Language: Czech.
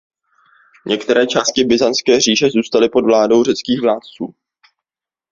Některé části Byzantské říše zůstaly pod vládou řeckých vládců.